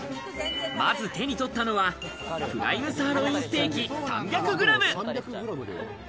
まず手に取ったのは、プライムサーロインステーキ３００ｇ。